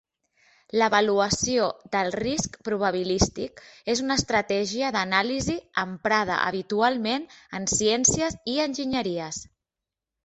L'avaluació del risc probabilístic és una estratègia d'anàlisi emprada habitualment en ciències i enginyeries.